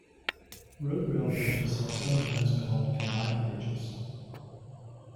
Road-rail bridges are sometimes called combined bridges.